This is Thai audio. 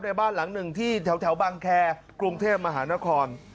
บ้านหลังหนึ่งที่แถวบังแคร์กรุงเทพมหานคร